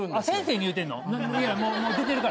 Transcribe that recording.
先生に言うてんの⁉